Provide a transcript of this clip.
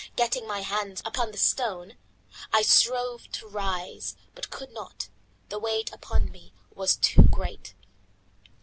Getting my hands upon the stone, I strove to rise, but could not, the weight upon me was too great.